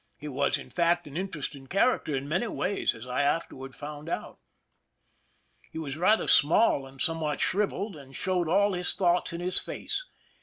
He was, in fact, an interesting character in many ways, as I afterward found out. He was rather small and somewhat shriveled, and showed all his thoughts in his face.